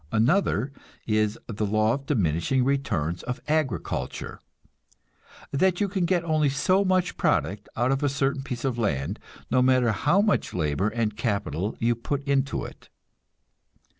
Another is "the law of diminishing returns of agriculture," that you can get only so much product out of a certain piece of land, no matter how much labor and capital you put into it.